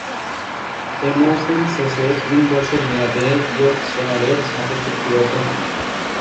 এ মৌসুম শেষে তিন বছর মেয়াদে ইয়র্কশায়ারের সাথে চুক্তিবদ্ধ হন।